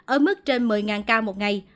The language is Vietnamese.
ở mức trên một mươi cao một ngày